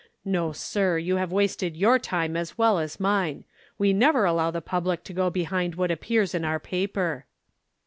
No, sir, you have wasted your time as well as mine. We never allow the public to go behind what appears in our paper."